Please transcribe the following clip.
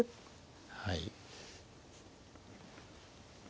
はい。